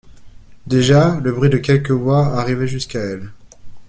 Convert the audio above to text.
Déjà le bruit de quelques voix arrivait jusqu’à elle.